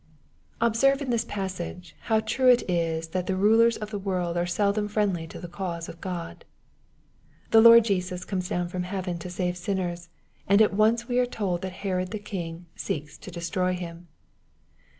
Observe in this passage, how true it is that the. rtJera of this world are seldom friendly to the cause of Ood. The Lord Jesus comes down from heaven to save sin ners, and at once we are told that Herod the king '^ seeks to destroy him.